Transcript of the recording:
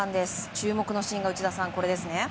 注目のシーンが内田さん、これですね。